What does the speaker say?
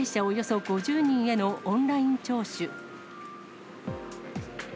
およそ５０人へのオンライン聴取。